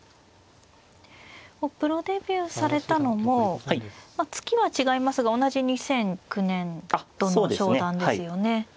プロデビューされたのも月は違いますが同じ２００９年度の昇段ですよね。